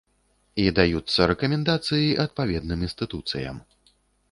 І даюцца рэкамендацыі адпаведным інстытуцыям.